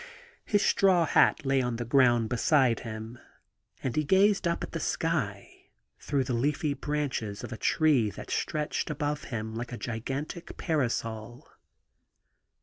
His straw hat lay on the ground beside him, and he gazed up at the sky through the leafy branches of a tree that stretched above him like a gigantic parasol.